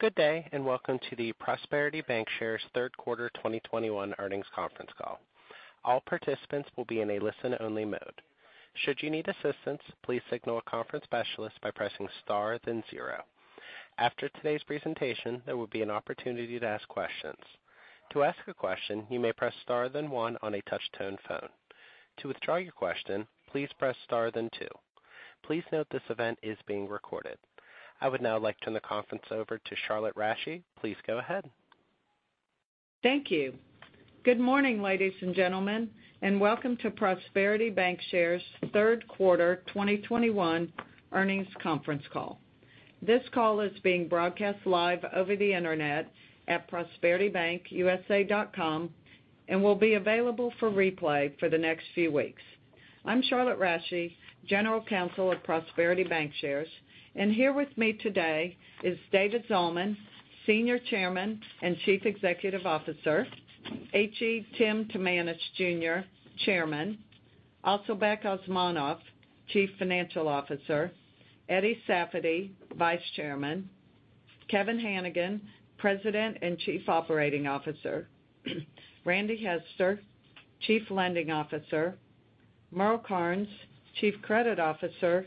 Good day, and welcome to the Prosperity Bancshares Q3 2021 earnings conference call. All participants will be in a listen-only mode. Should you need assistance, please signal a conference specialist by pressing star then zero. After today's presentation, there will be an opportunity to ask questions. To ask a question, you may press star then one on a touch-tone phone. To withdraw your question, please press star then two. Please note this event is being recorded. I would now like to turn the conference over to Charlotte Rasche. Please go ahead. Thank you. Good morning, ladies and gentlemen, and welcome to Prosperity Bancshares third quarter 2021 earnings conference call. This call is being broadcast live over the internet at prosperitybankusa.com and will be available for replay for the next few weeks. I'm Charlotte Rasche, General Counsel of Prosperity Bancshares, and here with me today is David Zalman, Senior Chairman and Chief Executive Officer, H.E. Tim Timanus Jr., Chairman, Asylbek Osmonov, Chief Financial Officer, Eddie Safady, Vice Chairman, Kevin Hanigan, President and Chief Operating Officer, Randy Hester, Chief Lending Officer, Merle Karnes, Chief Credit Officer,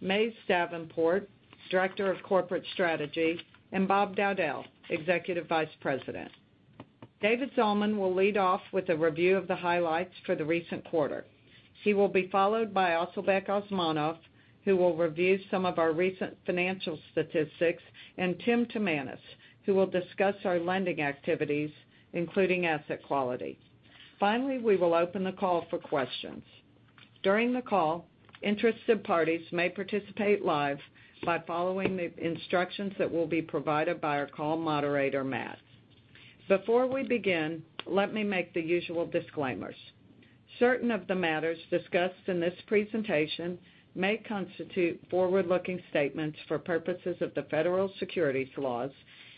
Mays Davenport, Director of Corporate Strategy, and Bob Dowdell, Executive Vice President. David Zalman will lead off with a review of the highlights for the recent quarter. He will be followed by Asylbek Osmonov, who will review some of our recent financial statistics, and Tim Timanus, who will discuss our lending activities, including asset quality. Finally, we will open the call for questions. During the call, interested parties may participate live by following the instructions that will be provided by our call moderator, Matt. Before we begin, let me make the usual disclaimers. Certain of the matters discussed in this presentation may constitute forward-looking statements for purposes of the federal securities laws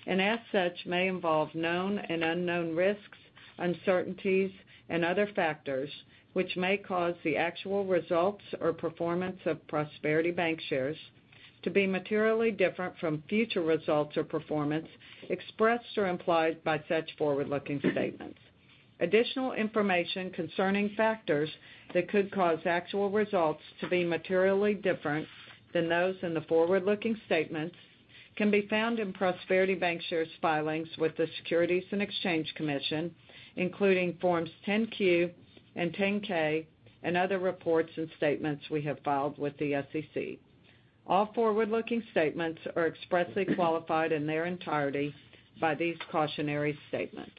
and as such may involve known and unknown risks, uncertainties and other factors which may cause the actual results or performance of Prosperity Bancshares to be materially different from future results or performance expressed or implied by such forward-looking statements. Additional information concerning factors that could cause actual results to be materially different than those in the forward-looking statements can be found in Prosperity Bancshares filings with the Securities and Exchange Commission, including Forms 10-Q and 10-K and other reports and statements we have filed with the SEC. All forward-looking statements are expressly qualified in their entirety by these cautionary statements.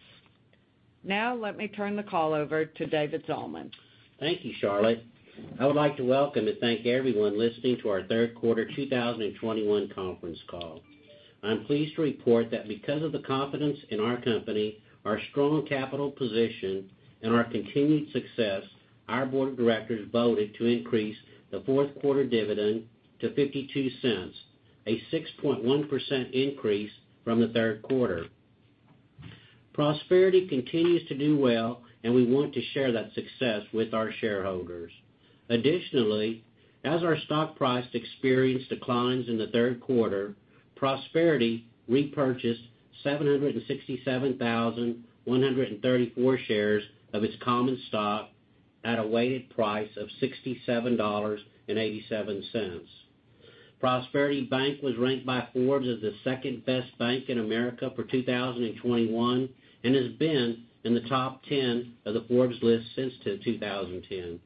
Now, let me turn the call over to David Zalman. Thank you, Charlotte. I would like to welcome and thank everyone listening to our third quarter 2021 conference call. I'm pleased to report that because of the confidence in our company, our strong capital position, and our continued success, our board of directors voted to increase the fourth quarter dividend to $0.52, a 6.1% increase from the third quarter. Prosperity continues to do well, and we want to share that success with our shareholders. Additionally, as our stock price experienced declines in the third quarter, Prosperity repurchased 767,134 shares of its common stock at a weighted price of $67.87. Prosperity Bank was ranked by Forbes as the second-best bank in America for 2021 and has been in the top ten of the Forbes list since 2010.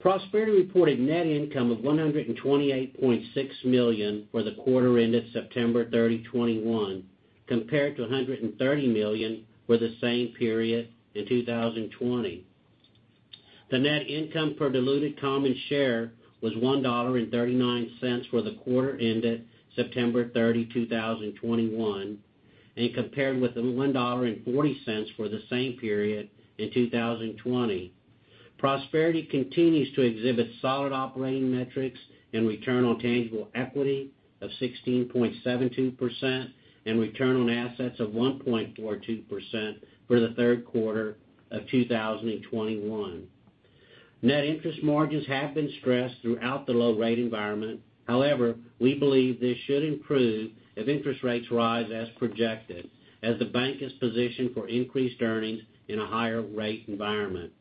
Prosperity reported net income of $128.6 million for the quarter ended September 30, 2021, compared to $130 million for the same period in 2020. The net income per diluted common share was $1.39 for the quarter ended September 30, 2021, and compared with the $1.40 for the same period in 2020. Prosperity continues to exhibit solid operating metrics and return on tangible equity of 16.72% and return on assets of 1.42% for the third quarter of 2021. Net interest margins have been stressed throughout the low rate environment. However, we believe this should improve as interest rates rise as projected, as the bank is positioned for increased earnings in a higher rate environment.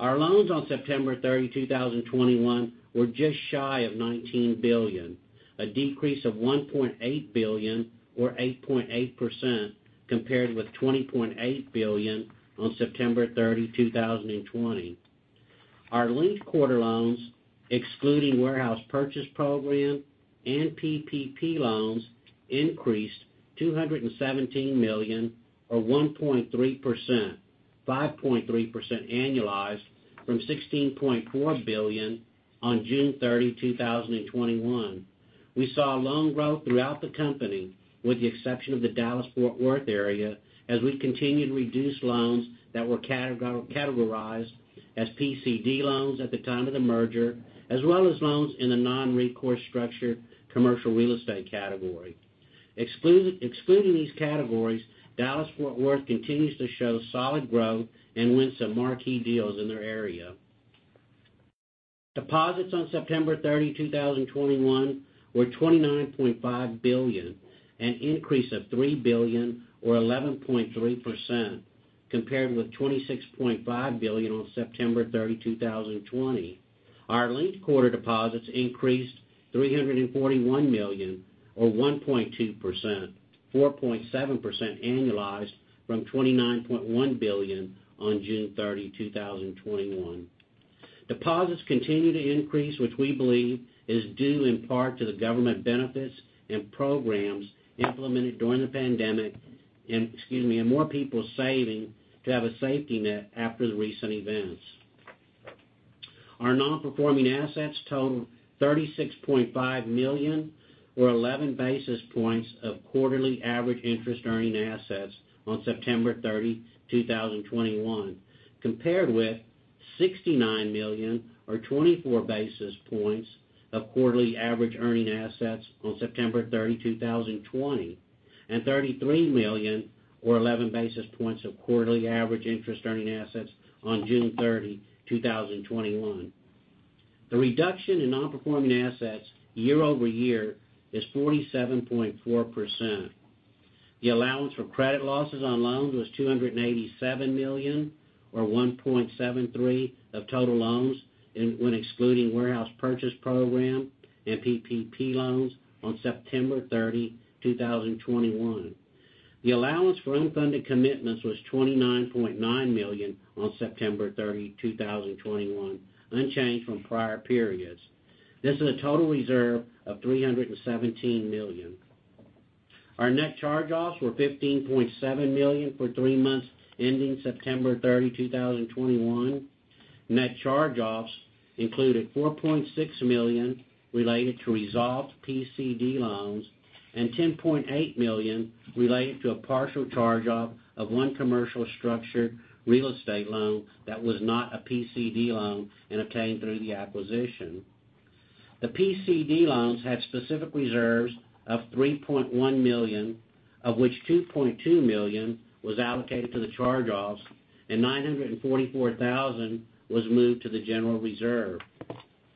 Our loans on September 30, 2021 were just shy of $19 billion, a decrease of $1.8 billion or 8.8% compared with $20.8 billion on September 30, 2020. Our linked quarter loans, excluding Warehouse Purchase Program and PPP loans, increased $217 million or 1.3%, 5.3% annualized from $16.4 billion on June 30, 2021. We saw loan growth throughout the company, with the exception of the Dallas-Fort Worth area, as we continued to reduce loans that were categorized as PCD loans at the time of the merger, as well as loans in the non-recourse structured commercial real estate category. Excluding these categories, Dallas-Fort Worth continues to show solid growth and win some marquee deals in their area. Deposits on September 30, 2021 were $29.5 billion, an increase of $3 billion or 11.3% compared with $26.5 billion on September 30, 2020. Our linked quarter deposits increased $341 million or 1.2%, 4.7% annualized from $29.1 billion on June 30, 2021. Deposits continue to increase, which we believe is due in part to the government benefits and programs implemented during the pandemic, and more people saving to have a safety net after the recent events. Our non-performing assets total $36.5 million, or 11 basis points of quarterly average interest-earning assets on September 30, 2021, compared with $69 million or 24 basis points of quarterly average interest-earning assets on September 30, 2020, and $33 million or 11 basis points of quarterly average interest-earning assets on June 30, 2021. The reduction in non-performing assets year over year is 47.4%. The allowance for credit losses on loans was $287 million, or 1.73% of total loans when excluding Warehouse Purchase Program and PPP loans on September 30, 2021. The allowance for unfunded commitments was $29.9 million on September 30, 2021, unchanged from prior periods. This is a total reserve of $317 million. Our net charge-offs were $15.7 million for three months ending September 30, 2021. Net charge-offs included $4.6 million related to resolved PCD loans and $10.8 million related to a partial charge-off of one commercial structured real estate loan that was not a PCD loan and obtained through the acquisition. The PCD loans had specific reserves of $3.1 million, of which $2.2 million was allocated to the charge-offs and $944,000 was moved to the general reserve.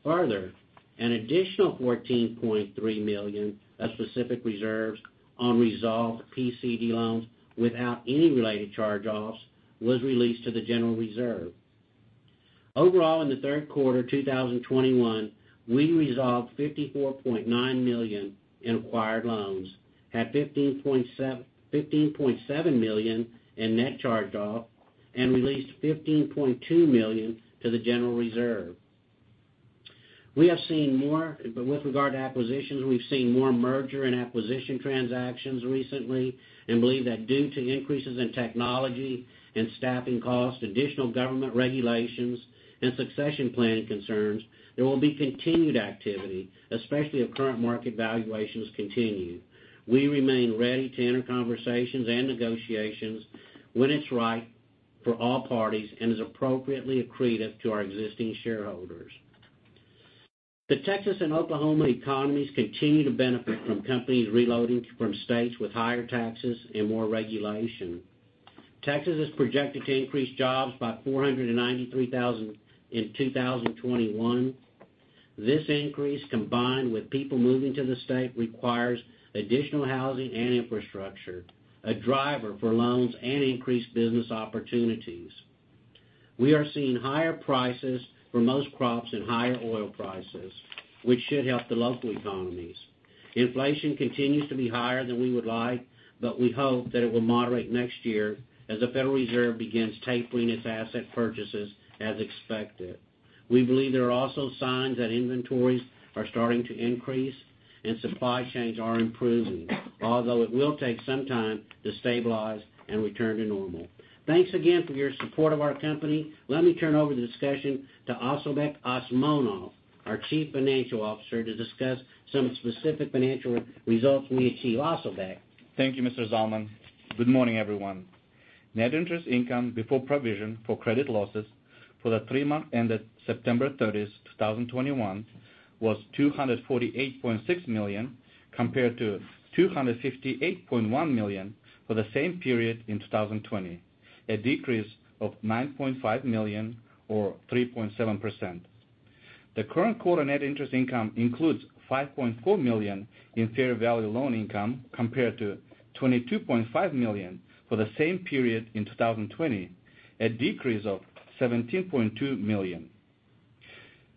Further, an additional $14.3 million of specific reserves on resolved PCD loans without any related charge-offs was released to the general reserve. Overall, in the third quarter 2021, we resolved $54.9 million in acquired loans, had $15.7 million in net charge-off, and released $15.2 million to the general reserve. With regard to acquisitions, we've seen more merger and acquisition transactions recently and believe that due to increases in technology and staffing costs, additional government regulations, and succession planning concerns, there will be continued activity, especially if current market valuations continue. We remain ready to enter conversations and negotiations when it's right for all parties and is appropriately accretive to our existing shareholders. The Texas and Oklahoma economies continue to benefit from companies relocating from states with higher taxes and more regulation. Texas is projected to increase jobs by 493,000 in 2021. This increase, combined with people moving to the state, requires additional housing and infrastructure, a driver for loans and increased business opportunities. We are seeing higher prices for most crops and higher oil prices, which should help the local economies. Inflation continues to be higher than we would like, but we hope that it will moderate next year as the Federal Reserve begins tapering its asset purchases as expected. We believe there are also signs that inventories are starting to increase and supply chains are improving, although it will take some time to stabilize and return to normal. Thanks again for your support of our company. Let me turn over the discussion to Asylbek Osmonov, our Chief Financial Officer, to discuss some specific financial results we achieved. Asylbek? Thank you, Mr. Zalman. Good morning, everyone. Net interest income before provision for credit losses for the three months ended September 30, 2021 was $248.6 million, compared to $258.1 million for the same period in 2020, a decrease of $9.5 million or 3.7%. The current quarter net interest income includes $5.4 million in fair value loan income, compared to $22.5 million for the same period in 2020, a decrease of $17.2 million.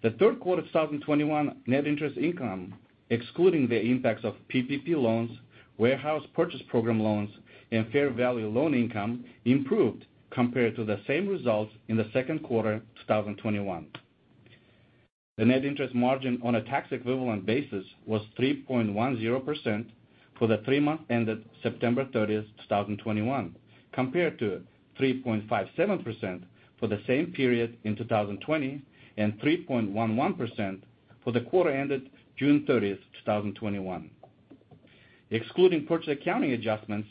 The third quarter 2021 net interest income, excluding the impacts of PPP loans, warehouse purchase program loans, and fair value loan income, improved compared to the same results in the second quarter 2021. The net interest margin on a tax equivalent basis was 3.10% for the three months ended September 30, 2021, compared to 3.57% for the same period in 2020 and 3.11% for the quarter ended June 30th, 2021. Excluding purchase accounting adjustments,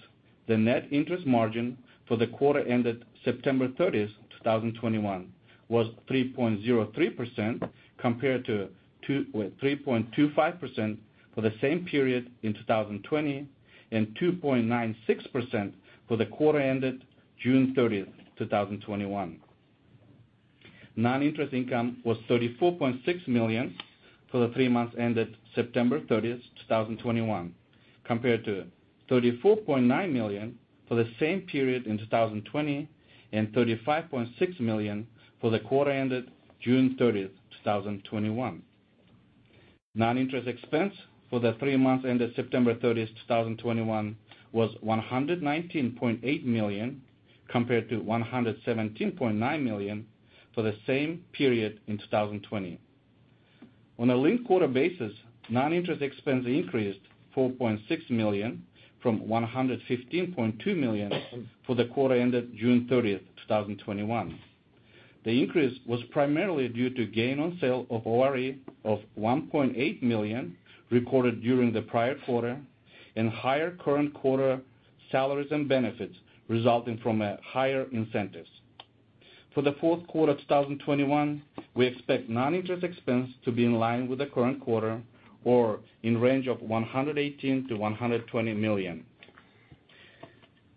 the net interest margin for the quarter ended September 30th, 2021 was 3.03% compared to 3.25% for the same period in 2020 and 2.96% for the quarter ended June 30th, 2021. Non-interest income was $34.6 million for the three months ended September 30th, 2021, compared to $34.9 million for the same period in 2020 and $35.6 million for the quarter ended June 30, 2021. Non-interest expense for the three months ended September 30, 2021 was $119.8 million, compared to $117.9 million for the same period in 2020. On a linked quarter basis, non-interest expense increased $4.6 million from $115.2 million for the quarter ended June 30th, 2021. The increase was primarily due to gain on sale of ORE of $1.8 million recorded during the prior quarter, and higher current quarter salaries and benefits resulting from a higher incentives. For the fourth quarter 2021, we expect non-interest expense to be in line with the current quarter or in range of $118 million-$120 million.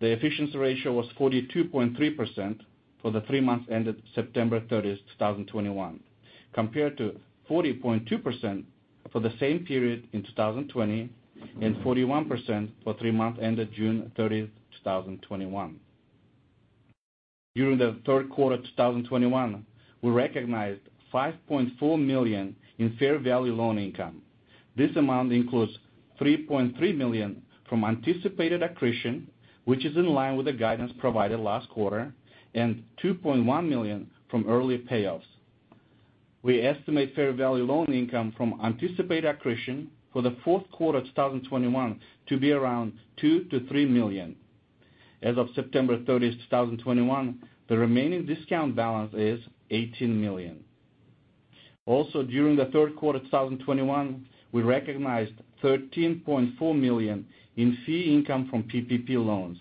The efficiency ratio was 42.3% for the three months ended September 30th, 2021, compared to 40.2% for the same period in 2020 and 41% for three months ended June 30th, 2021. During the third quarter 2021, we recognized $5.4 million in fair value loan income. This amount includes $3.3 million from anticipated accretion, which is in line with the guidance provided last quarter, and $2.1 million from early payoffs. We estimate fair value loan income from anticipated accretion for the fourth quarter 2021 to be around $2 million-$3 million. As of September 30th, 2021, the remaining discount balance is $18 million. Also, during the third quarter 2021, we recognized $13.4 million in fee income from PPP loans.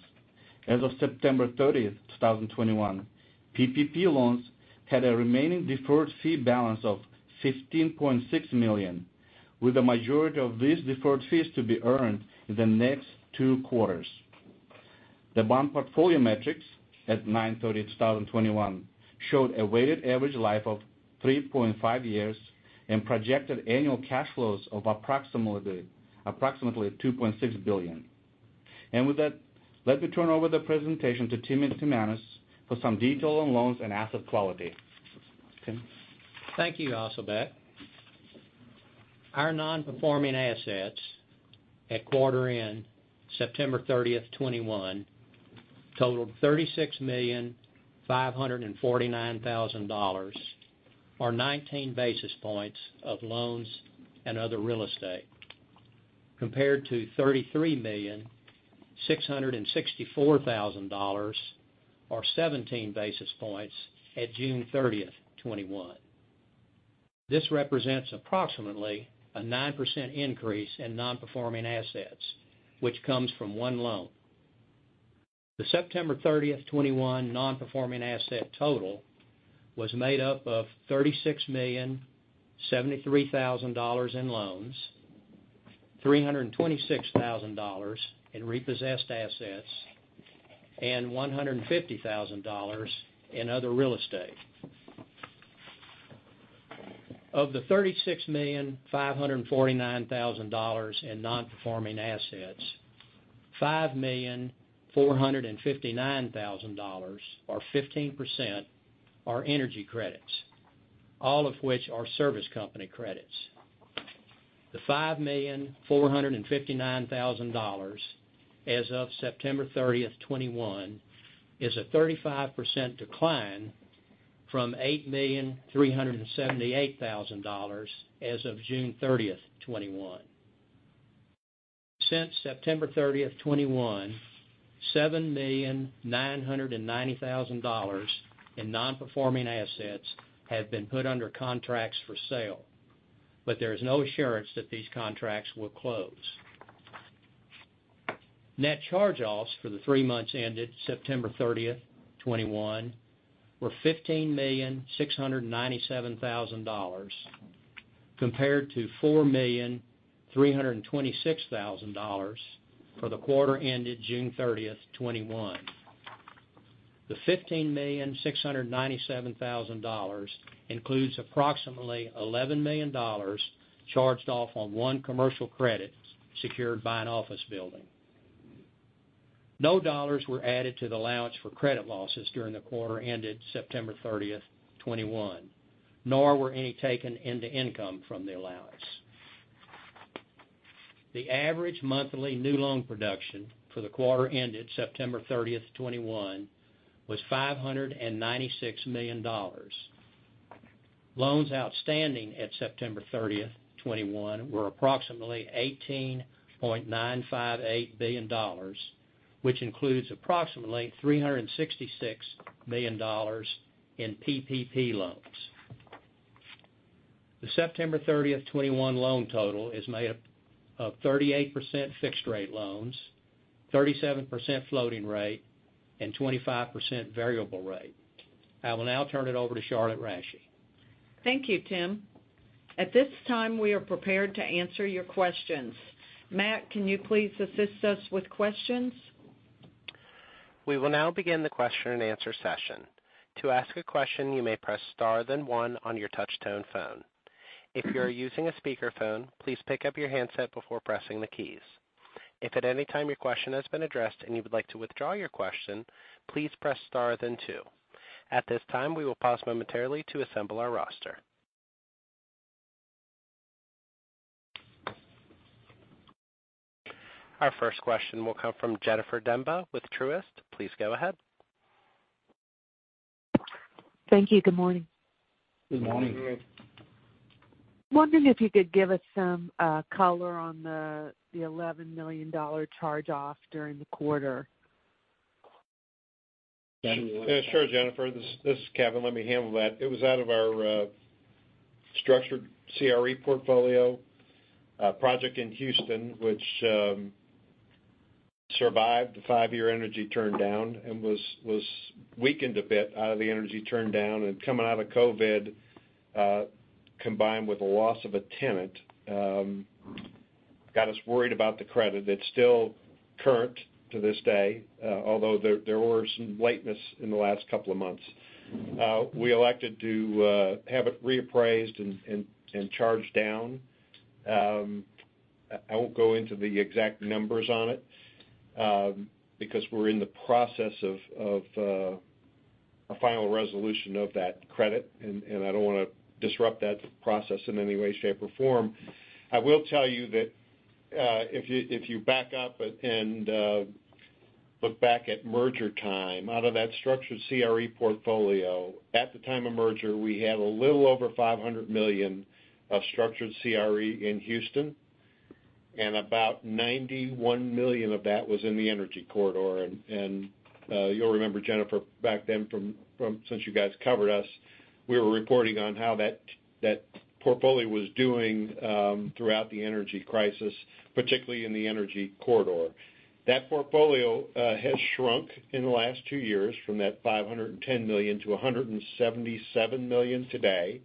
As of September 30, 2021, PPP loans had a remaining deferred fee balance of $15.6 million, with the majority of these deferred fees to be earned in the next two quarters. The bond portfolio metrics at 9/30/2021 showed a weighted average life of 3.5 years and projected annual cash flows of approximately $2.6 billion. With that, let me turn over the presentation to Tim Timanus for some detail on loans and asset quality. Tim? Thank you, Asylbek. Our non-performing assets at quarter end September 30th, 2021 totaled $36,549,000, or 19 basis points of loans and other real estate, compared to $33,664,000, or 17 basis points at June 30th, 2021. This represents approximately a 9% increase in non-performing assets, which comes from one loan. The September 30th, 2021 non-performing asset total was made up of $36,073,000 in loans, $326,000 in repossessed assets, and $150,000 in other real estate. Of the $36,549,000 in non-performing assets, $5,459,000, or 15%, are energy credits, all of which are service company credits. The $5,459,000 as of September 30th, 2021 is a 35% decline from $8,378,000 as of June 30th, 2021. Since September 30th, 2021, $7,990,000 in non-performing assets have been put under contracts for sale, but there is no assurance that these contracts will close. Net charge-offs for the three months ended September 30th, 2021 were $15,697,000, compared to $4,326,000 for the quarter ended June 30th, 2021. The $15,697,000 includes approximately $11 million charged off on one commercial credit secured by an office building. No dollars were added to the allowance for credit losses during the quarter ended September 30th, 2021, nor were any taken into income from the allowance. The average monthly new loan production for the quarter ended September 30th, 2021 was $596 million. Loans outstanding at September 30th, 2021 were approximately $18.958 billion, which includes approximately $366 million in PPP loans. The September 30th, 2021 loan total is made up of 38% fixed rate loans, 37% floating rate, and 25% variable rate. I will now turn it over to Charlotte Rasche. Thank you, Tim. At this time, we are prepared to answer your questions. Matt, can you please assist us with questions? We will now begin the question-and-answer session. To ask a question, you may press star then one on your touchtone phone. If you are using a speakerphone, please pick up your handset before pressing the keys. If at any time your question has been addressed and you would like to withdraw your question, please press star then two. At this time, we will pause momentarily to assemble our roster. Our first question will come from Jennifer Demba with Truist. Please go ahead. Thank you. Good morning. Good morning. Wondering if you could give us some color on the $11 million charge-off during the quarter. Yeah, sure, Jennifer. This is Kevin. Let me handle that. It was out of our structured CRE portfolio project in Houston, which survived the five-year energy downturn and was weakened a bit out of the energy downturn. Coming out of COVID, combined with the loss of a tenant, got us worried about the credit. It's still current to this day, although there were some lateness in the last couple of months. We elected to have it reappraised and charged down. I won't go into the exact numbers on it because we're in the process of a final resolution of that credit, and I don't wanna disrupt that process in any way, shape, or form. I will tell you that, if you back up and look back at merger time, out of that structured CRE portfolio, at the time of merger, we had a little over $500 million of structured CRE in Houston, and about $91 million of that was in the energy corridor. You'll remember, Jennifer, back then since you guys covered us, we were reporting on how that portfolio was doing throughout the energy crisis, particularly in the energy corridor. That portfolio has shrunk in the last two years from $510 million to $177 million today.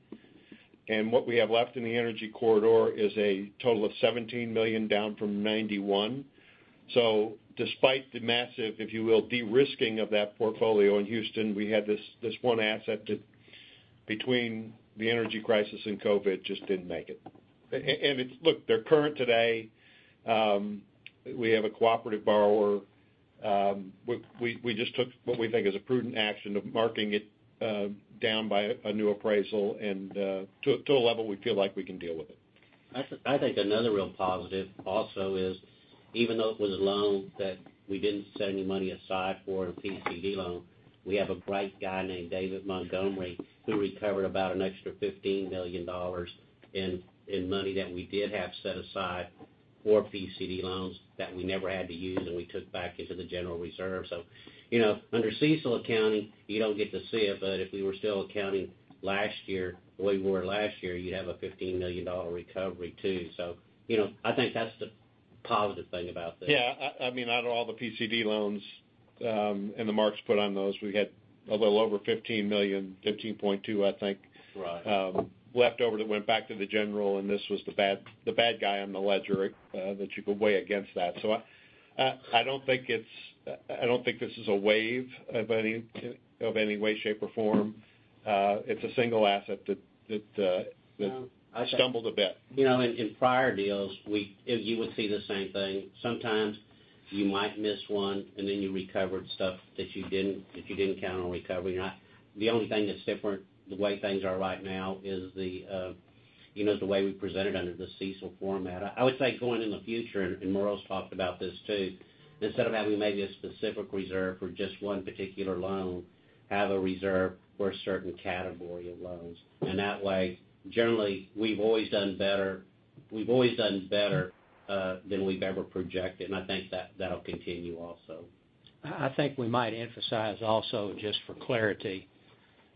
What we have left in the energy corridor is a total of $17 million, down from $91 million. Despite the massive, if you will, de-risking of that portfolio in Houston, we had this one asset that between the energy crisis and COVID just didn't make it. It's. Look, they're current today. We have a cooperative borrower. We just took what we think is a prudent action of marking it down by a new appraisal and to a level we feel like we can deal with it. I think another real positive also is even though it was a loan that we didn't set any money aside for in a PCD loan, we have a bright guy named David Montgomery who recovered about an extra $15 million in money that we did have set aside for PCD loans that we never had to use and we took back into the general reserve. You know, under CECL accounting, you don't get to see it, but if we were still accounting last year the way we were last year, you'd have a $15 million recovery too. You know, I think that's the positive thing about this. I mean, out of all the PCD loans and the marks put on those, we had a little over $15 million, $15.2 million, I think. Right left over that went back to the general, and this was the bad guy on the ledger that you could weigh against that. I don't think this is a wave of any way, shape, or form. It's a single asset that stumbled a bit. You know, in prior deals, you would see the same thing. Sometimes you might miss one, and then you recovered stuff that you didn't count on recovering. The only thing that's different the way things are right now is the, you know, the way we present it under the CECL format. I would say going in the future, and Merle's talked about this too, instead of having maybe a specific reserve for just one particular loan, have a reserve for a certain category of loans. That way, generally, we've always done better than we've ever projected, and I think that'll continue also. I think we might emphasize also just for clarity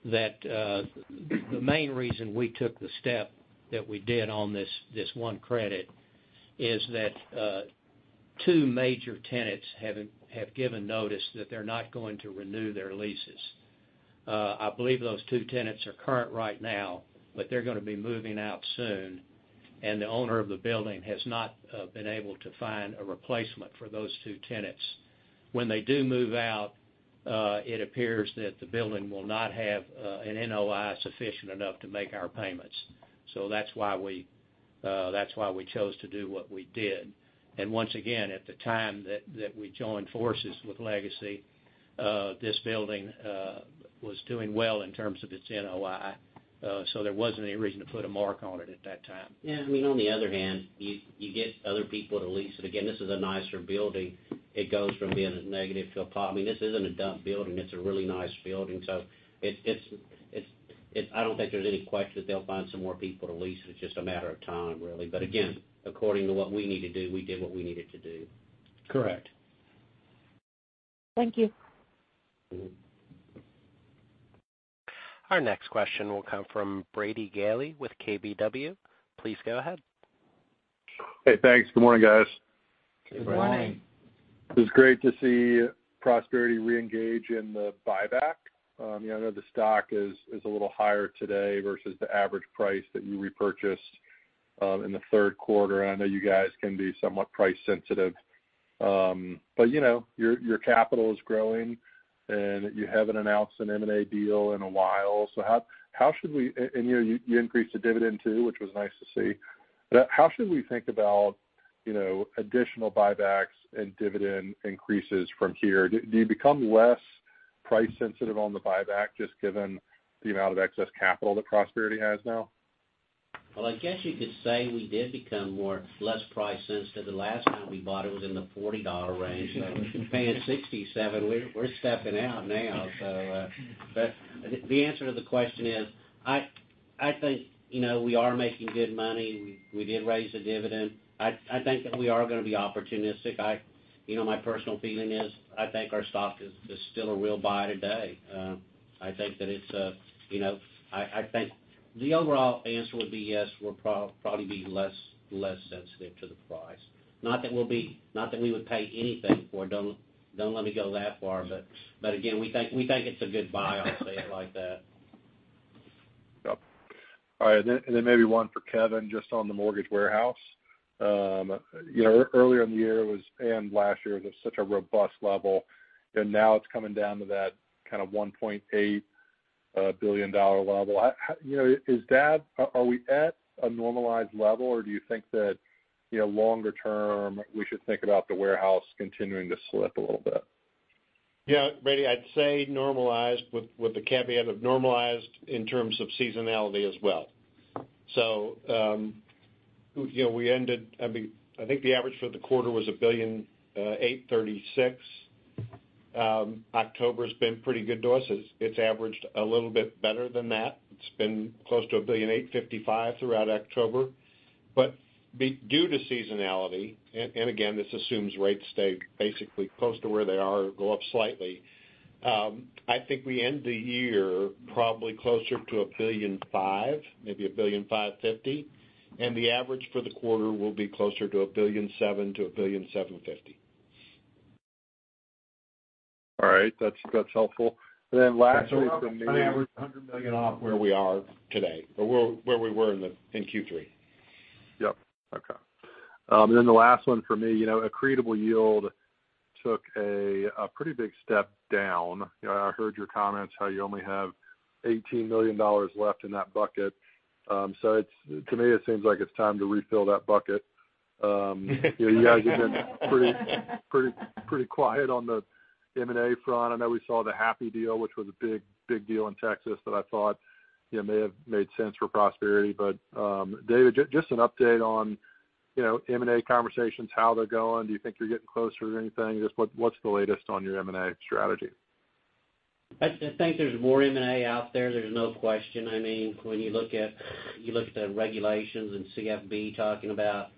that the main reason we took the step that we did on this one credit is that two major tenants have given notice that they're not going to renew their leases. I believe those two tenants are current right now, but they're gonna be moving out soon, and the owner of the building has not been able to find a replacement for those two tenants. When they do move out, it appears that the building will not have an NOI sufficient enough to make our payments. That's why we chose to do what we did. Once again, at the time that we joined forces with LegacyTexas, this building was doing well in terms of its NOI, so there wasn't any reason to put a mark on it at that time. Yeah. I mean, on the other hand, you get other people to lease it. Again, this is a nicer building. It goes from being a negative. I mean, this isn't a dump building. It's a really nice building. So it's. I don't think there's any question that they'll find some more people to lease it. It's just a matter of time, really. But again, according to what we need to do, we did what we needed to do. Correct. Thank you. Our next question will come from Brady Gailey with KBW. Please go ahead. Hey, thanks. Good morning, guys. Good morning. Good morning. It's great to see Prosperity reengage in the buyback. You know, the stock is a little higher today versus the average price that you repurchased in the third quarter. I know you guys can be somewhat price sensitive. You know, your capital is growing, and you haven't announced an M&A deal in a while. How should we and you know, you increased the dividend too, which was nice to see. How should we think about, you know, additional buybacks and dividend increases from here? Do you become less price sensitive on the buyback just given the amount of excess capital that Prosperity has now? Well, I guess you could say we did become less price sensitive. The last time we bought it was in the $40 range. You know, we're paying $67. We're stepping out now. But the answer to the question is, I think, you know, we are making good money. We did raise the dividend. I think that we are gonna be opportunistic. You know, my personal feeling is, I think our stock is still a real buy today. I think that it's, you know, I think the overall answer would be yes, we'll probably be less sensitive to the price. Not that we would pay anything for it. Don't let me go that far. Again, we think it's a good buy. I'll say it like that. Yep. All right. Maybe one for Kevin, just on the mortgage warehouse. Earlier in the year it was, and last year, it was such a robust level, and now it's coming down to that kind of $1.8 billion level. How is that? Are we at a normalized level, or do you think that longer term, we should think about the warehouse continuing to slip a little bit? Yeah, Brady, I'd say normalized with the caveat of normalized in terms of seasonality as well. You know, we ended, I mean, I think the average for the quarter was $1.836 billion. October's been pretty good to us. It's averaged a little bit better than that. It's been close to $1.855 billion throughout October. Due to seasonality, and again, this assumes rates stay basically close to where they are or go up slightly, I think we end the year probably closer to $1.5 billion, maybe $1.55 billion. The average for the quarter will be closer to $1.7 billion-$1.75 billion. All right. That's helpful. Lastly from me. On average, $100 million off where we are today, but where we were in Q3. Okay. The last one for me. You know, accretable yield took a pretty big step down. You know, I heard your comments how you only have $18 million left in that bucket. It's to me, it seems like it's time to refill that bucket. You guys have been pretty quiet on the M&A front. I know we saw the Happy deal, which was a big deal in Texas that I thought, you know, may have made sense for Prosperity. David, just an update on, you know, M&A conversations, how they're going. Do you think you're getting closer to anything? Just what's the latest on your M&A strategy? I think there's more M&A out there's no question. I mean, when you look at the regulations and CFPB talking about,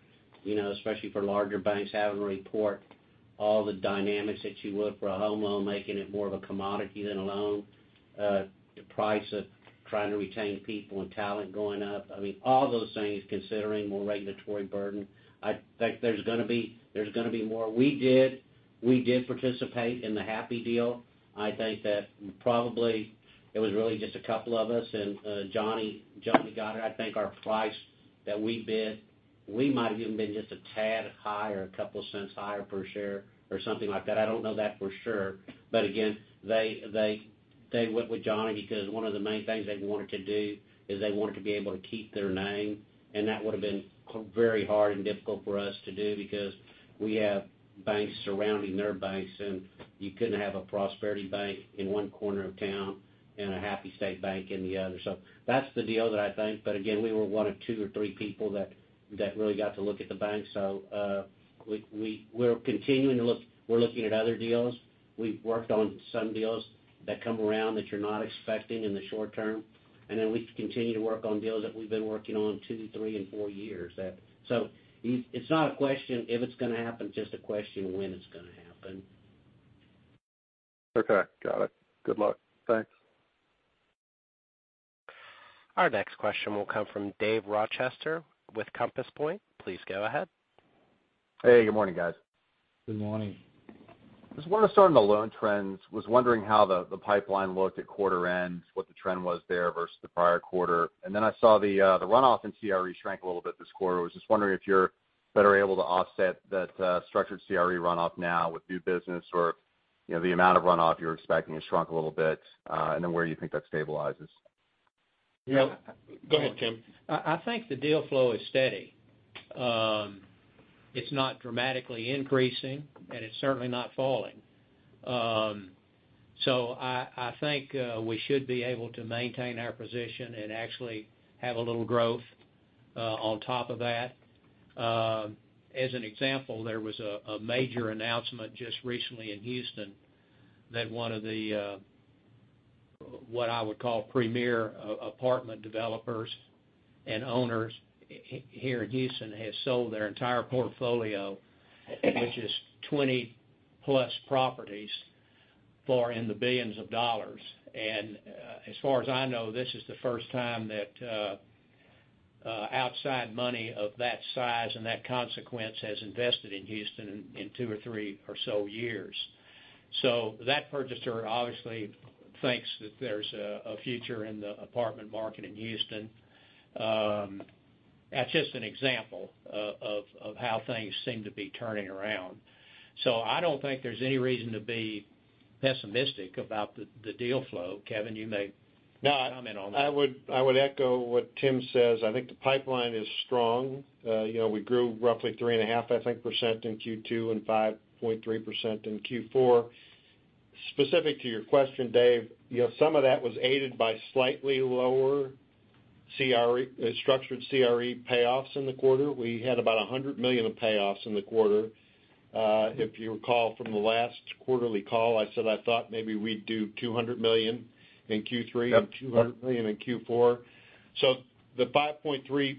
you know, especially for larger banks, having to report all the dynamics that you would for a home loan, making it more of a commodity than a loan. The price of trying to retain people and talent going up. I mean, all those things, considering more regulatory burden, I think there's gonna be more. We did participate in the Happy deal. I think that probably it was really just a couple of us, and Johnny got it. I think our price that we bid, we might have even been just a tad higher, a couple cents higher per share or something like that. I don't know that for sure. Again, they went with Johnny because one of the main things they wanted to do is they wanted to be able to keep their name, and that would've been very hard and difficult for us to do because we have banks surrounding their banks, and you couldn't have a Prosperity Bank in one corner of town and a Happy State Bank in the other. That's the deal that I think. Again, we were one of two or three people that really got to look at the bank. We're continuing to look. We're looking at other deals. We've worked on some deals that come around that you're not expecting in the short term. Then we continue to work on deals that we've been working on two, three, and four years. It's not a question if it's gonna happen. It's just a question of when it's gonna happen. Okay. Got it. Good luck. Thanks. Our next question will come from Dave Rochester with Compass Point. Please go ahead. Hey, good morning, guys. Good morning. Just wanted to start on the loan trends. Was wondering how the pipeline looked at quarter end, what the trend was there versus the prior quarter. I saw the runoff in CRE shrank a little bit this quarter. I was just wondering if you're better able to offset that structured CRE runoff now with new business or, you know, the amount of runoff you're expecting has shrunk a little bit, and then where you think that stabilizes. Yeah. Go ahead, Tim. I think the deal flow is steady. It's not dramatically increasing, and it's certainly not falling. So I think we should be able to maintain our position and actually have a little growth on top of that. As an example, there was a major announcement just recently in Houston that one of the what I would call premier apartment developers and owners here in Houston has sold their entire portfolio, which is 20+ properties for in the billions of dollars. As far as I know, this is the first time that outside money of that size and that consequence has invested in Houston in two or three or so years. That purchaser obviously thinks that there's a future in the apartment market in Houston. That's just an example of how things seem to be turning around. I don't think there's any reason to be pessimistic about the deal flow. Kevin, you may. No, I- Comment on that. I would echo what Tim says. I think the pipeline is strong. You know, we grew roughly 3.5%, I think, in Q2 and 5.3% in Q4. Specific to your question, Dave, you know, some of that was aided by slightly lower CRE, structured CRE payoffs in the quarter. We had about $100 million of payoffs in the quarter. If you recall from the last quarterly call, I said I thought maybe we'd do $200 million in Q3. Yep $200 million in Q4. The 5.3%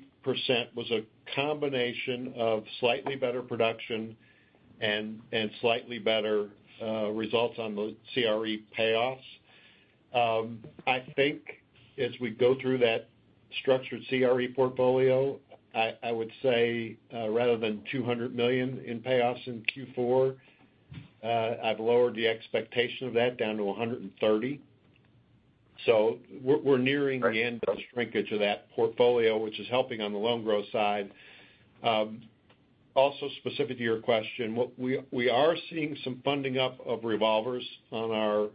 was a combination of slightly better production and slightly better results on the CRE payoffs. I think as we go through that structured CRE portfolio, I would say, rather than $200 million in payoffs in Q4, I've lowered the expectation of that down to $130 million. We're nearing the end of the shrinkage of that portfolio, which is helping on the loan growth side. Also specific to your question, what we are seeing some funding up of revolvers on our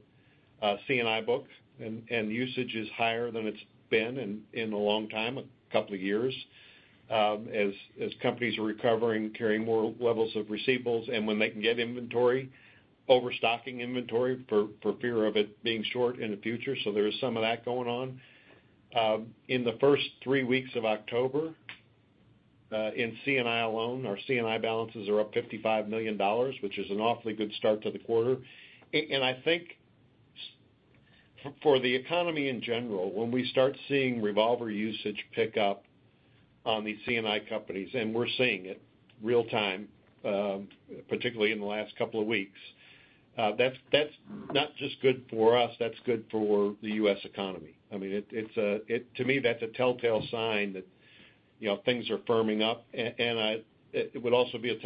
C&I books, and usage is higher than it's been in a long time, a couple of years, as companies are recovering, carrying more levels of receivables, and when they can get inventory, overstocking inventory for fear of it being short in the future. There is some of that going on. In the first three weeks of October, in C&I alone, our C&I balances are up $55 million, which is an awfully good start to the quarter. I think for the economy in general, when we start seeing revolver usage pick up on these C&I companies, and we're seeing it real-time, particularly in the last couple of weeks, that's not just good for us, that's good for the U.S. economy. I mean, to me, that's a tell-tale sign that, you know, things are firming up. It would also be a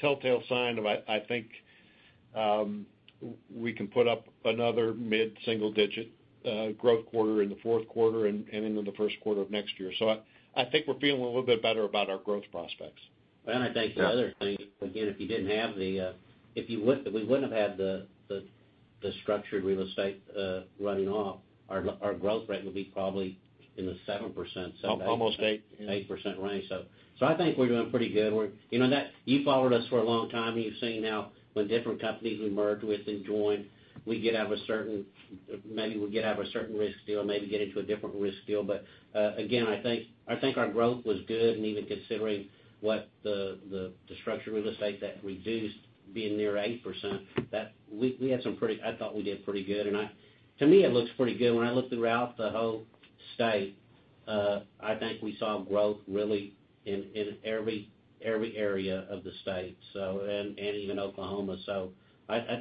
tell-tale sign of, I think, we can put up another mid-single-digit growth quarter in the fourth quarter and into the first quarter of next year. I think we're feeling a little bit better about our growth prospects. I think the other thing, again, if you didn't have the structured real estate running off, our growth rate would be probably in the 7%. Almost 8%. 8% range. I think we're doing pretty good. You know, you followed us for a long time, and you've seen how when different companies we merge with and join, we get out of a certain risk deal, maybe get into a different risk deal. Again, I think our growth was good, and even considering what the structured real estate that reduced being near 8%, that we had some pretty. I thought we did pretty good. To me, it looks pretty good. When I look throughout the whole state, I think we saw growth really in every area of the state. And even Oklahoma. I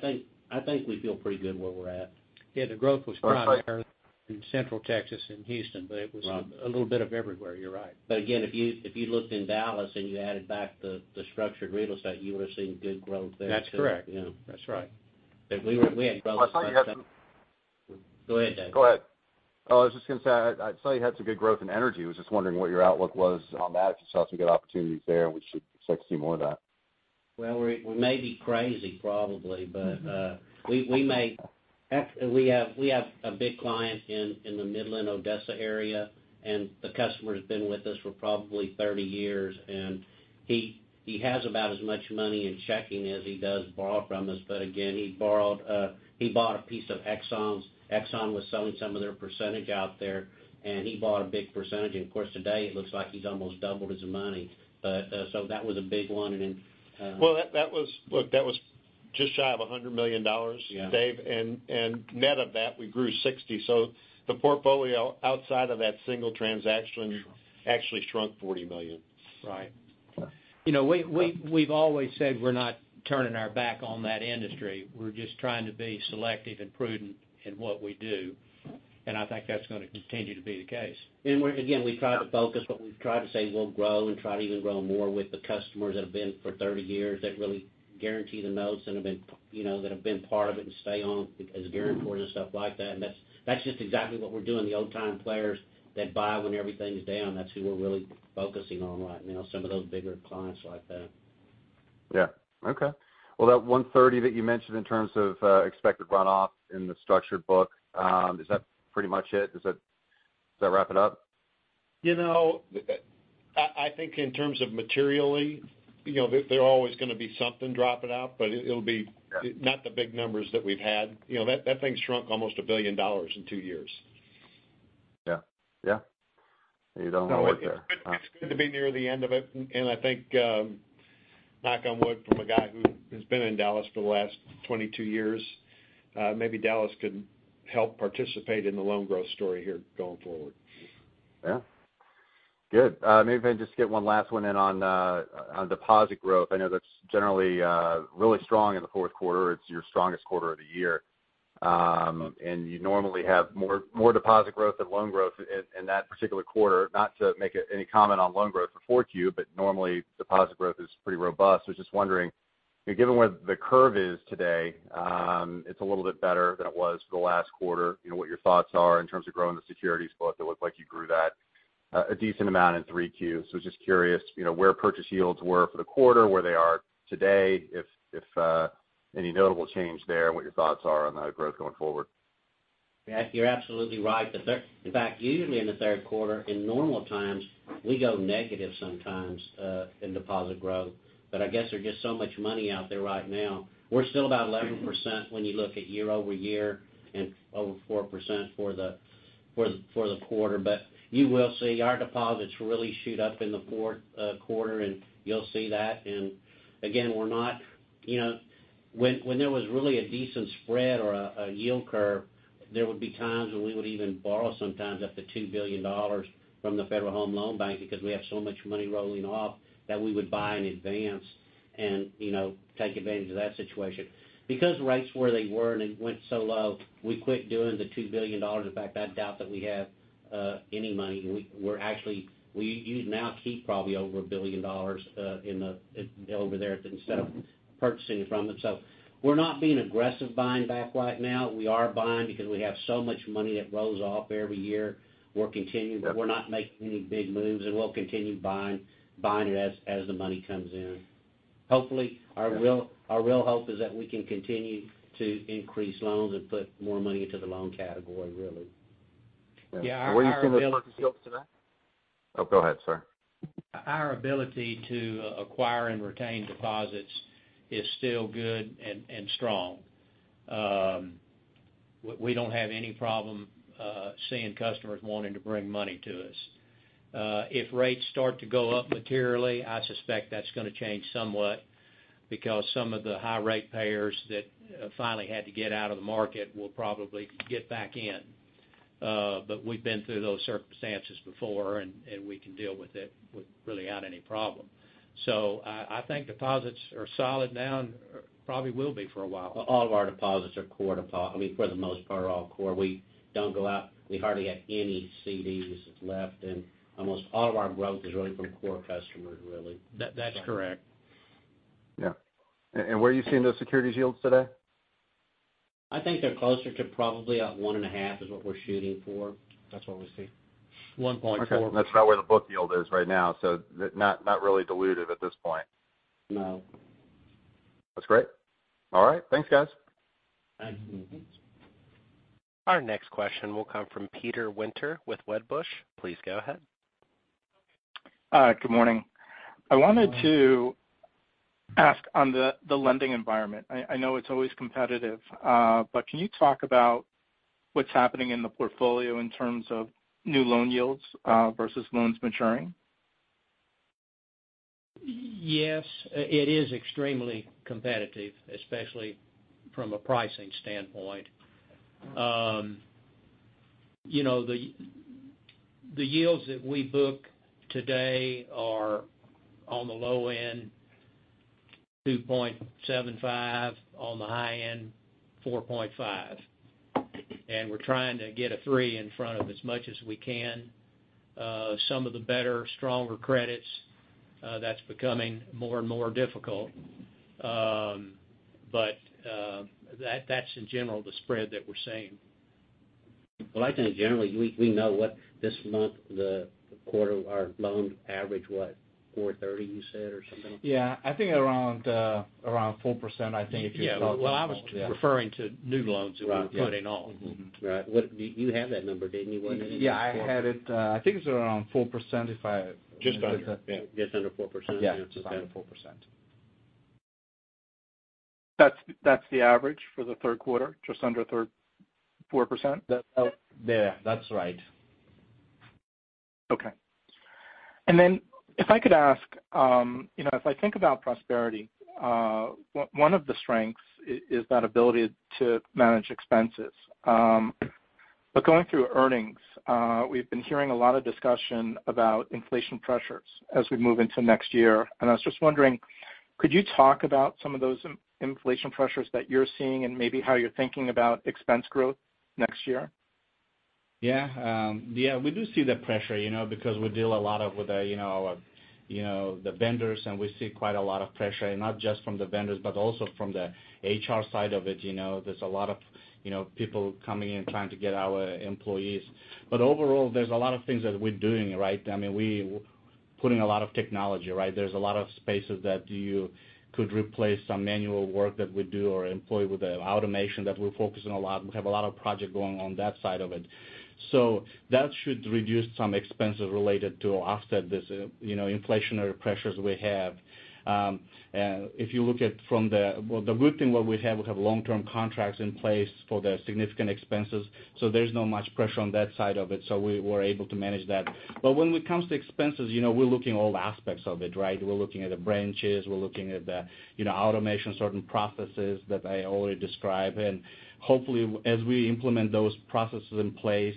think we feel pretty good where we're at. Yeah, the growth was primarily in Central Texas and Houston. Right It was a little bit of everywhere, you're right. Again, if you looked in Dallas and you added back the structured real estate, you would have seen good growth there, too. That's correct. Yeah. That's right. We had growth. I saw you had some- Go ahead, Dave. Go ahead. Oh, I was just gonna say, I saw you had some good growth in energy. Was just wondering what your outlook was on that, if you saw some good opportunities there, and we should expect to see more of that. Well, we may be crazy probably, but we have a big client in the Midland, Odessa area, and the customer's been with us for probably 30 years, and he has about as much money in checking as he has borrowed from us. Again, he bought a piece of Exxon’s. Exxon was selling some of their percentage out there, and he bought a big percentage. Of course, today it looks like he's almost doubled his money. That was a big one. Then, Well, that was just shy of $100 million. Yeah Dave, and net of that, we grew 60. The portfolio outside of that single transaction Sure Actually shrunk $40 million. Right. You know, we've always said we're not turning our back on that industry. We're just trying to be selective and prudent in what we do, and I think that's gonna continue to be the case. We're, again, we try to focus what we've tried to say we'll grow and try to even grow more with the customers that have been for 30 years that really guarantee the notes and have been, you know, that have been part of it and stay on as guarantors and stuff like that. That's, that's just exactly what we're doing, the old time players that buy when everything's down. That's who we're really focusing on right now, some of those bigger clients like that. Yeah. Okay. Well, that 130 that you mentioned in terms of, expected runoff in the structured book, is that pretty much it? Does that wrap it up? You know, I think in terms of materially, you know, there's always gonna be something dropping out, but it'll be. Yeah Not the big numbers that we've had. You know, that thing shrunk almost $1 billion in two years. Yeah. Yeah. You don't wanna wait there. It's good to be near the end of it. I think, knock on wood from a guy who has been in Dallas for the last 22 years, maybe Dallas can help participate in the loan growth story here going forward. Yeah. Good. Maybe if I can just get one last one in on deposit growth. I know that's generally really strong in the fourth quarter. It's your strongest quarter of the year, and you normally have more deposit growth than loan growth in that particular quarter. Not to make any comment on loan growth for 4Q, but normally deposit growth is pretty robust. I was just wondering, given where the curve is today, it's a little bit better than it was for the last quarter, you know, what your thoughts are in terms of growing the securities book. It looked like you grew that a decent amount in 3Q. Just curious, you know, where purchase yields were for the quarter, where they are today, if any notable change there, and what your thoughts are on that growth going forward? Yeah, you're absolutely right. In fact, usually in the third quarter, in normal times, we go negative sometimes in deposit growth. But I guess there's just so much money out there right now. We're still about 11% when you look at year-over-year and over 4% for the quarter. But you will see our deposits really shoot up in the fourth quarter, and you'll see that. Again, we're not, you know, when there was really a decent spread or a yield curve, there would be times when we would even borrow sometimes up to $2 billion from the Federal Home Loan Bank because we have so much money rolling off that we would buy in advance and, you know, take advantage of that situation. Because rates were where they were and it went so low, we quit doing the $2 billion. In fact, I doubt that we have any money. We're actually we now keep probably over $1 billion over there instead of purchasing from them. We're not being aggressive buying back right now. We are buying because we have so much money that rolls off every year. We're continuing, but we're not making any big moves, and we'll continue buying it as the money comes in. Hopefully, our real hope is that we can continue to increase loans and put more money into the loan category, really. Yeah. Where are you seeing the purchase yields today? Oh, go ahead, sir. Our ability to acquire and retain deposits is still good and strong. We don't have any problem seeing customers wanting to bring money to us. If rates start to go up materially, I suspect that's gonna change somewhat because some of the high rate payers that finally had to get out of the market will probably get back in. We've been through those circumstances before, and we can deal with it really without any problem. I think deposits are solid now and probably will be for a while. All of our deposits are core deposit. I mean, for the most part, are all core. We don't go out. We hardly got any CDs left, and almost all of our growth is really from core customers, really. That's correct. Yeah. Where are you seeing those securities yields today? I think they're closer to probably 1.5 is what we're shooting for. That's what we see. 1.4. Okay. That's about where the book yield is right now, so not really dilutive at this point. No. That's great. All right. Thanks, guys. Thanks. Mm-hmm. Our next question will come from Peter Winter with Wedbush. Please go ahead. Good morning. I wanted to ask on the lending environment. I know it's always competitive, but can you talk about what's happening in the portfolio in terms of new loan yields versus loans maturing? Yes. It is extremely competitive, especially from a pricing standpoint. You know, the yields that we book today are on the low end, 2.75%, on the high end, 4.5%. We're trying to get a 3% in front of as much as we can. Some of the better, stronger credits, that's becoming more and more difficult. That's in general the spread that we're seeing. Well, I think generally we know what this month, the quarter, our loan average, what, 4.30% you said or something like that? Yeah. I think around 4%, I think if you talk. Yeah. Well, I was referring to new loans that we're putting on. Right. You had that number, didn't you, anywhere? Yeah, I had it. I think it's around 4% if I- Just under. Yeah. Just under 4%. Yeah, just under 4%. That's the average for the third quarter, just under 3.4%? Yeah. That's right. Okay. If I could ask, you know, if I think about Prosperity, one of the strengths is that ability to manage expenses. Going through earnings, we've been hearing a lot of discussion about inflation pressures as we move into next year. I was just wondering, could you talk about some of those inflation pressures that you're seeing and maybe how you're thinking about expense growth next year? Yeah. Yeah, we do see the pressure, you know, because we deal a lot of with you know, the vendors, and we see quite a lot of pressure, and not just from the vendors, but also from the HR side of it, you know. There's a lot of you know, people coming in trying to get our employees. Overall, there's a lot of things that we're doing, right? I mean, we putting a lot of technology, right? There's a lot of spaces that you could replace some manual work that we do or employ with the automation that we're focusing a lot. We have a lot of project going on that side of it. That should reduce some expenses related to offset this you know, inflationary pressures we have. Well, the good thing that we have, we have long-term contracts in place for the significant expenses, so there's not much pressure on that side of it, so we were able to manage that. When it comes to expenses, you know, we're looking at all aspects of it, right? We're looking at the branches, we're looking at the, you know, automation, certain processes that I already described. Hopefully, as we implement those processes in place,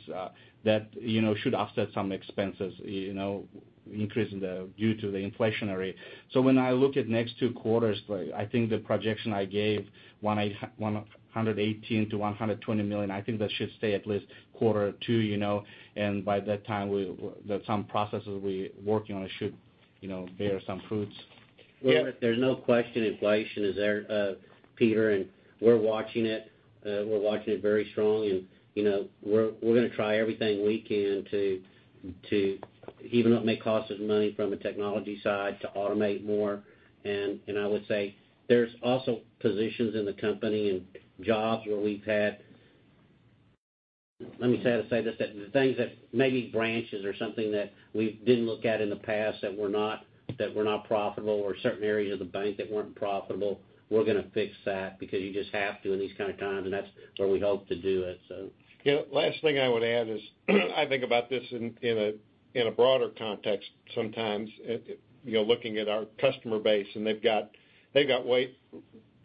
that, you know, should offset some expenses, you know, increase due to the inflation. When I look at next two quarters, like, I think the projection I gave, $118 million-$120 million, I think that should stay at least quarter or two, you know, and by that time that some processes we working on should, you know, bear some fruits. Well, there's no question inflation is there, Peter, and we're watching it very strongly. You know, we're gonna try everything we can to even what may cost us money from a technology side to automate more. I would say there's also positions in the company and jobs where we've had. Let me say this, that the things that maybe branches or something that we didn't look at in the past that were not profitable or certain areas of the bank that weren't profitable, we're gonna fix that because you just have to in these kind of times, and that's where we hope to do it, so. You know, last thing I would add is I think about this in a broader context sometimes, you know, looking at our customer base, and they've got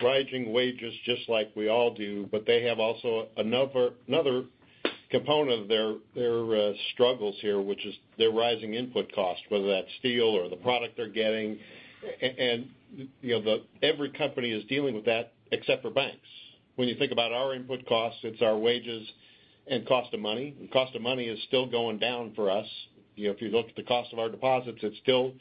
rising wages just like we all do, but they have also another component of their struggles here, which is their rising input costs, whether that's steel or the product they're getting. Every company is dealing with that except for banks. When you think about our input costs, it's our wages and cost of money, and cost of money is still going down for us. You know, if you look at the cost of our deposits, it's still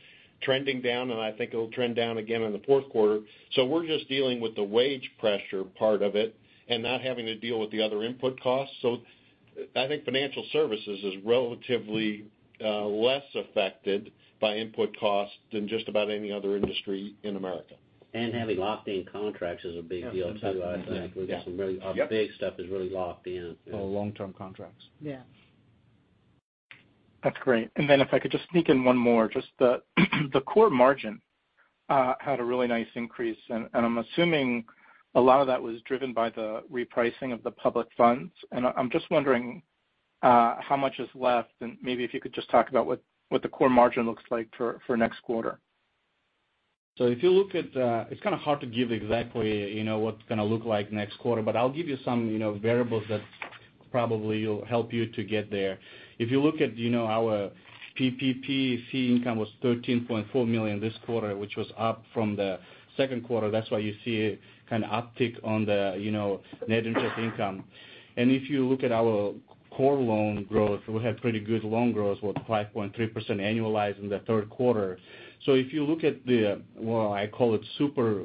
trending down, and I think it'll trend down again in the fourth quarter. We're just dealing with the wage pressure part of it and not having to deal with the other input costs. I think financial services is relatively less affected by input costs than just about any other industry in America. Having locked-in contracts is a big deal, too, I think. We've got some really. Yep. Our big stuff is really locked in. Our long-term contracts. Yeah. That's great. Then if I could just sneak in one more, just the core margin had a really nice increase, and I'm assuming a lot of that was driven by the repricing of the public funds. I'm just wondering how much is left and maybe if you could just talk about what the core margin looks like for next quarter. If you look at, it's kinda hard to give exactly, you know, what it's gonna look like next quarter, but I'll give you some, you know, variables that probably will help you to get there. If you look at, you know, our PPP fee income was $13.4 million this quarter, which was up from the second quarter. That's why you see a kinda uptick on the, you know, net interest income. If you look at our core loan growth, we had pretty good loan growth, with 5.3% annualizing the third quarter. If you look at the, well, I call it super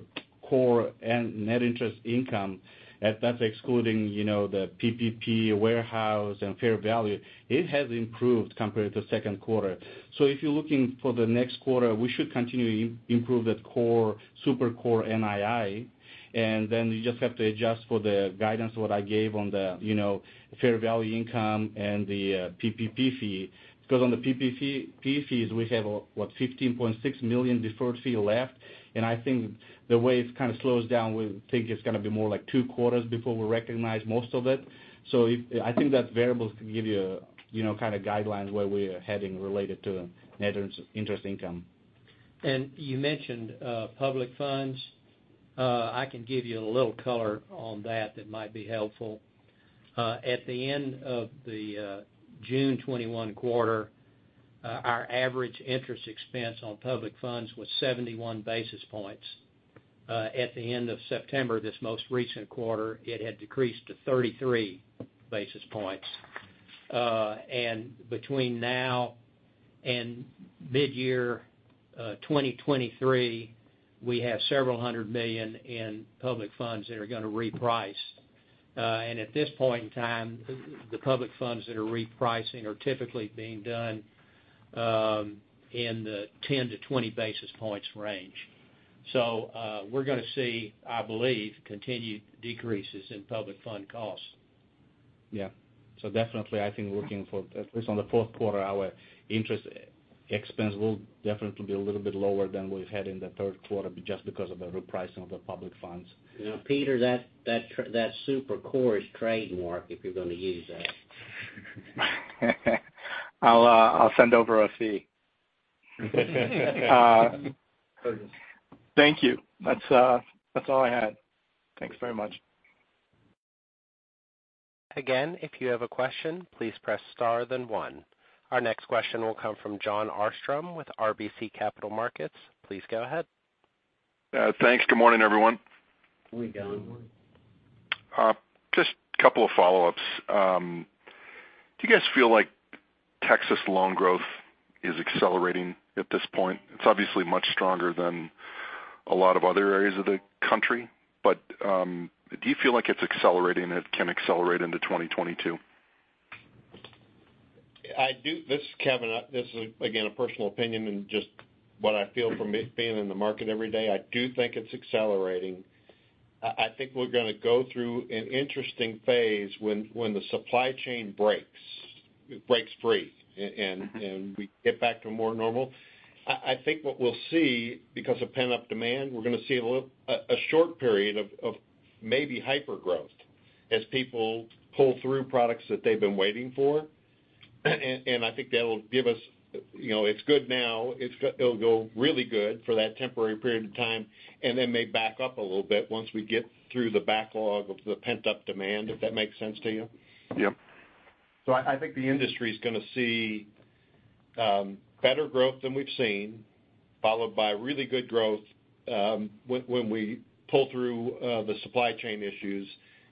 core and net interest income, that's excluding, you know, the PPP warehouse and fair value, it has improved compared to second quarter. If you're looking for the next quarter, we should continue to improve the core, super core NII. You just have to adjust for the guidance what I gave on the, you know, fair value income and the PPP fees. Because on the PPP fees, we have, what, $15.6 million deferred fee left, and I think the way it kind of slows down, we think it's gonna be more like two quarters before we recognize most of it. I think that variables can give you know, kind of guidelines where we are heading related to net interest income. You mentioned public funds. I can give you a little color on that that might be helpful. At the end of the June 2021 quarter, our average interest expense on public funds was 71 basis points. At the end of September, this most recent quarter, it had decreased to 33 basis points. Between now and midyear 2023, we have several hundred million in public funds that are gonna reprice. At this point in time, the public funds that are repricing are typically being done in the 10-20 basis points range. We're gonna see, I believe, continued decreases in public fund costs. Yeah. Definitely I think we're looking for, at least on the fourth quarter, our interest expense will definitely be a little bit lower than we've had in the third quarter just because of the repricing of the public funds. You know, Peter, that super core is trademark if you're gonna use that. I'll send over a fee. Perfect. Thank you. That's all I had. Thanks very much. Again, if you have a question, please press star then one. Our next question will come from Jon Arfstrom with RBC Capital Markets. Please go ahead. Thanks. Good morning, everyone. Good morning, Jon. Just a couple of follow-ups. Do you guys feel like Texas loan growth is accelerating at this point? It's obviously much stronger than a lot of other areas of the country, but do you feel like it's accelerating, it can accelerate into 2022? I do. This is Kevin. This is, again, a personal opinion and just what I feel from being in the market every day. I do think it's accelerating. I think we're gonna go through an interesting phase when the supply chain breaks free, and we get back to more normal. I think what we'll see, because of pent-up demand, we're gonna see a little, a short period of maybe hypergrowth as people pull through products that they've been waiting for. I think that'll give us. You know, it's good now. It'll go really good for that temporary period of time and then may back up a little bit once we get through the backlog of the pent-up demand, if that makes sense to you. Yep. I think the industry's gonna see better growth than we've seen, followed by really good growth when we pull through the supply chain issues,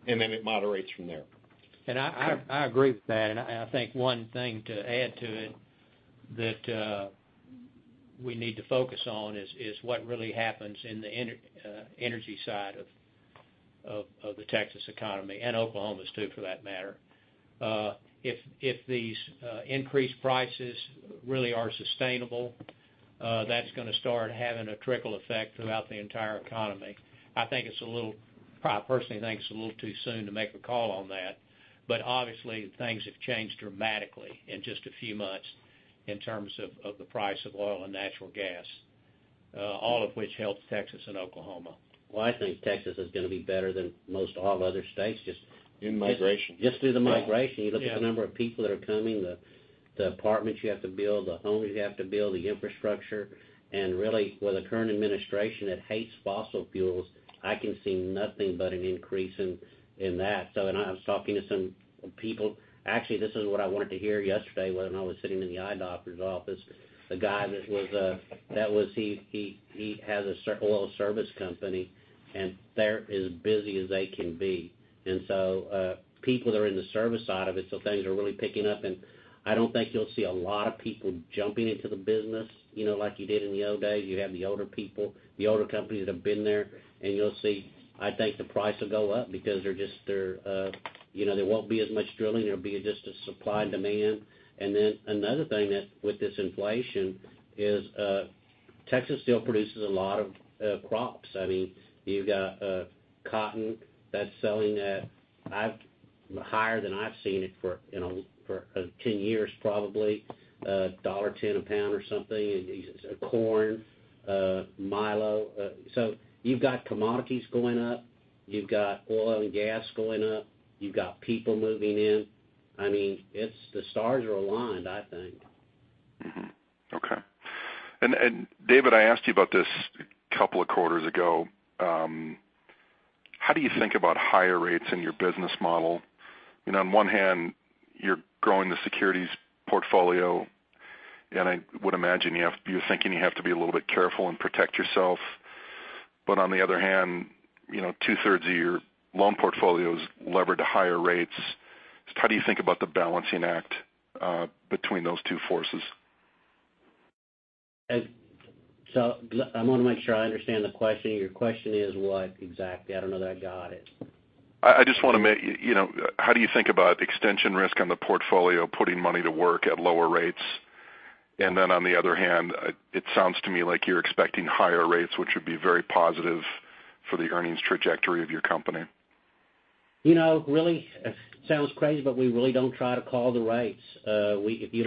and then it moderates from there. I agree with that. I think one thing to add to it that we need to focus on is what really happens in the energy side of the Texas economy and Oklahoma's too for that matter. If these increased prices really are sustainable, that's gonna start having a trickle effect throughout the entire economy. I personally think it's a little too soon to make a call on that. Obviously, things have changed dramatically in just a few months in terms of the price of oil and natural gas, all of which helps Texas and Oklahoma. Well, I think Texas is gonna be better than most all other states just. In migration. Just due to migration. Yeah. You look at the number of people that are coming, the apartments you have to build, the homes you have to build, the infrastructure. Really, with the current administration that hates fossil fuels, I can see nothing but an increase in that. I was talking to some people. Actually, this is what I wanted to hear yesterday when I was sitting in the eye doctor's office. The guy that was, he has an oil service company, and they're as busy as they can be. People are in the service side of it, so things are really picking up. I don't think you'll see a lot of people jumping into the business, you know, like you did in the old days. You have the older people, the older companies that have been there, and you'll see, I think the price will go up because they're just, you know, there won't be as much drilling. There'll be just a supply and demand. Another thing that with this inflation is, Texas still produces a lot of crops. I mean, you've got cotton that's selling at higher than I've seen it for 10 years, probably, $1.10 a pound or something. And corn, milo. So you've got commodities going up, you've got oil and gas going up, you've got people moving in. I mean, the stars are aligned, I think. Mm-hmm. Okay. David, I asked you about this a couple of quarters ago. How do you think about higher rates in your business model? You know, on one hand, you're growing the securities portfolio, and I would imagine you're thinking you have to be a little bit careful and protect yourself. On the other hand, you know, two-thirds of your loan portfolio is levered to higher rates. How do you think about the balancing act between those two forces? I wanna make sure I understand the question. Your question is what exactly? I don't know that I got it. I just wanna make you know, how do you think about extension risk on the portfolio, putting money to work at lower rates? On the other hand, it sounds to me like you're expecting higher rates, which would be very positive for the earnings trajectory of your company. You know, really, it sounds crazy, but we really don't try to call the rates. If you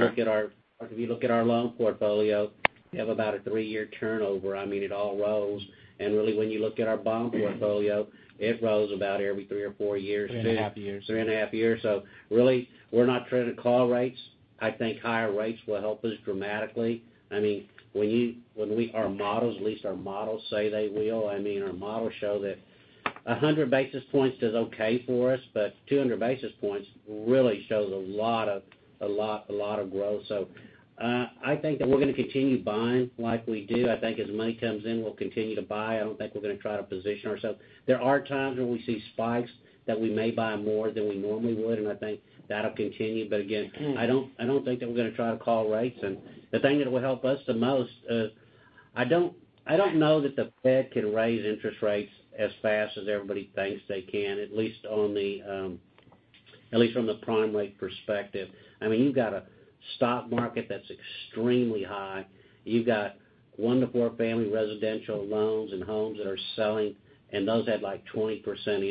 look at our loan portfolio, we have about a three-year turnover. I mean, it all rolls. Really, when you look at our bond portfolio, it rolls about every three or four years too. Three and a half years. 3.5 years. Really, we're not trying to call rates. I think higher rates will help us dramatically. I mean, at least our models say they will. I mean, our models show that 100 basis points does okay for us, but 200 basis points really shows a lot of growth. I think that we're gonna continue buying like we do. I think as money comes in, we'll continue to buy. I don't think we're gonna try to position ourselves. There are times when we see spikes that we may buy more than we normally would, and I think that'll continue. Again, I don't think that we're gonna try to call rates. The thing that will help us the most is I don't know that the Fed can raise interest rates as fast as everybody thinks they can, at least from the prime rate perspective. I mean, you've got a stock market that's extremely high. You've got one to four family residential loans and homes that are selling, and those have like 20%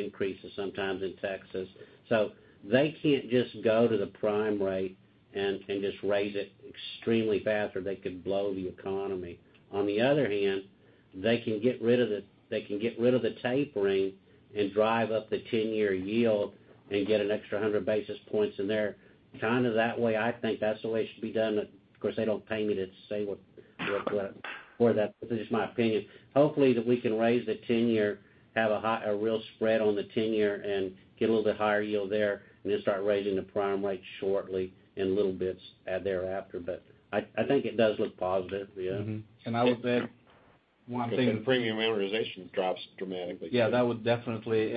increases sometimes in Texas. So they can't just go to the prime rate and just raise it extremely fast or they could blow the economy. On the other hand, they can get rid of the tapering and drive up the ten-year yield and get an extra 100 basis points in there. Kinda that way. I think that's the way it should be done, but of course, they don't pay me to say what. Or that, but that's just my opinion. Hopefully, that we can raise the 10-year, a real spread on the 10-year and get a little bit higher yield there, and then start raising the prime rate shortly in little bits thereafter, but I think it does look positive. Yeah. Mm-hmm. Can I look at one thing? The premium amortization drops dramatically. Yeah, that would definitely.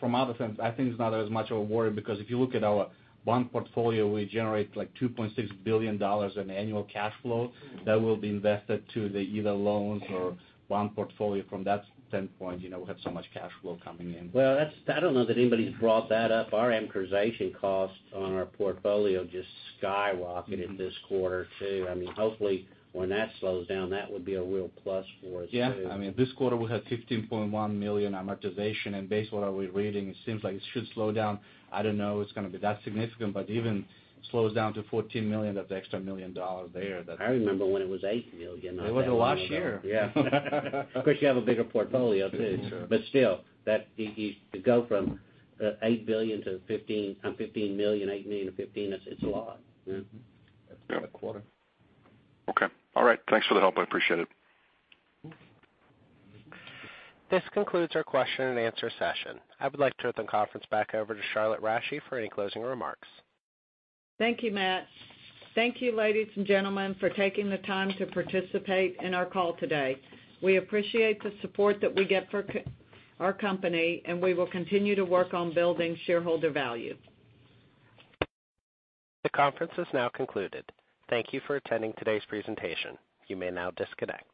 From our sense, I think it's not as much of a worry because if you look at our bond portfolio, we generate like $2.6 billion in annual cash flow that will be invested into either loans or bond portfolio from that standpoint. You know, we have so much cash flow coming in. Well, I don't know that anybody's brought that up. Our amortization costs on our portfolio just skyrocketed this quarter too. I mean, hopefully when that slows down, that would be a real plus for us too. Yeah. I mean, this quarter we had $15.1 million amortization, and based on what we're reading, it seems like it should slow down. I don't know if it's gonna be that significant, but even if it slows down to $14 million, that's an extra $1 million there that- I remember when it was $8 million, not that long ago. It was last year. Yeah. Of course, you have a bigger portfolio too. That's right. Still, to go from $8 billion to $15 million, $8 million to $15 million, it's a lot. Mm-hmm. Yeah. Per quarter. Okay. All right. Thanks for the help. I appreciate it. This concludes our question and answer session. I would like to turn the conference back over to Charlotte Rasche for any closing remarks. Thank you, Matt. Thank you, ladies and gentlemen, for taking the time to participate in our call today. We appreciate the support that we get for our company, and we will continue to work on building shareholder value. The conference is now concluded. Thank you for attending today's presentation. You may now disconnect.